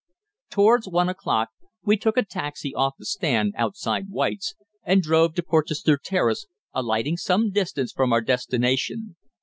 Towards one o'clock we took a taxi off the stand outside White's and drove to Porchester Terrace, alighting some distance from our destination.